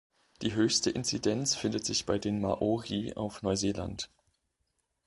Die höchste Inzidenz findet sich bei den Maori auf Neuseeland.